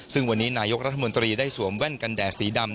ซึ่งวันนี้นายกรัฐมนตรีได้สวมแว่นกันแดดสีดำ